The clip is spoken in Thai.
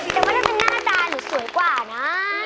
แต่ว่าถ้าเป็นหน้าตาหรือสวยกว่านะ